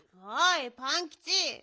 おいパンキチ。